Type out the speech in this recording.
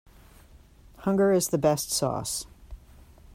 Hunger is the best sauce.